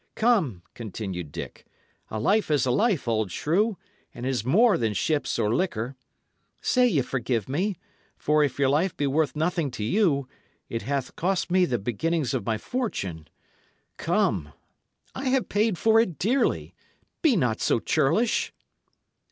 "Come," continued Dick, "a life is a life, old shrew, and it is more than ships or liquor. Say ye forgive me; for if your life be worth nothing to you, it hath cost me the beginnings of my fortune. Come, I have paid for it dearly; be not so churlish."